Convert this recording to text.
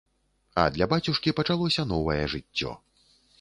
А для бацюшкі пачалося новае жыццё.